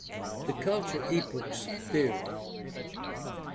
The culture epochs theory.